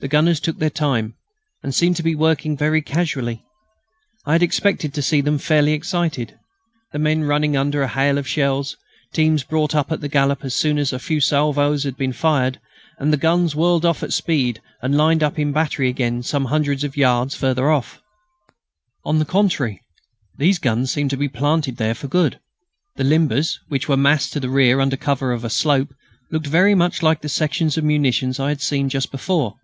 The gunners took their time, and seemed to be working very casually. I had expected to see them fairly excited: the men running under a hail of shells, teams brought up at a gallop as soon as a few salvoes had been fired, and the guns whirled off at full speed and lined up in battery again some hundreds of yards further off. On the contrary, these guns seemed to be planted there for good. The limbers, which were massed to the rear under cover of a slope, looked very much like the sections of munitions I had seen just before.